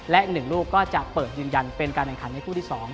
และ๑ลูกก็จะเปิดยืนยันเป็นการแข่งขันในคู่ที่๒